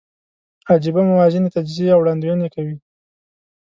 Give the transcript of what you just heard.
عجېبه موازنې، تجزیې او وړاندوینې کوي.